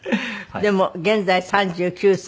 でも現在３９歳。